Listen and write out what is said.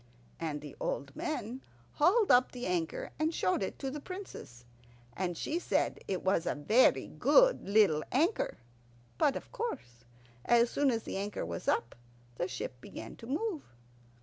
And the old men hauled up the anchor, and showed it to the Princess; and she said it was a very good little anchor. But, of course, as soon as the anchor was up the ship began to move.